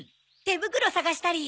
手袋捜したり。